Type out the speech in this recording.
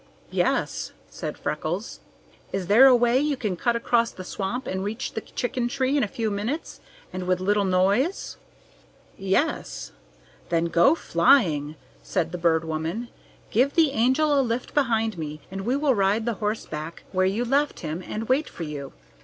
"Yes," said Freckles. "Is there a way you can cut across the swamp and reach the chicken tree in a few minutes, and with little noise?" "Yes." "Then go flying," said the Bird Woman. "Give the Angel a lift behind me, and we will ride the horse back where you left him and wait for you.